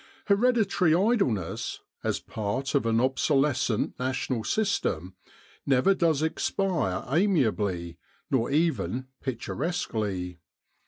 Hereditary idleness, as part of an obsolescent national system, never does expire amiably, nor even picturesquely.